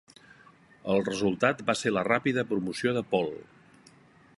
El resultat va ser la ràpida promoció de Pohl.